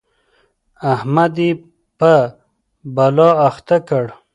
احمد يې په بلا اخته کړ.